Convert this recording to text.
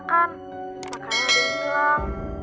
makanan ada yang hilang